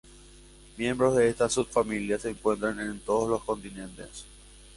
Miembros de esta subfamilia se encuentran en todos los continentes.